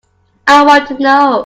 I want to know.